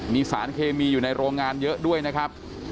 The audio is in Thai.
มีสารเคมีอยู่ในโรงงานเยอะด้วยนะครับ